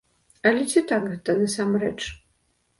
Але ці так гэта насамрэч?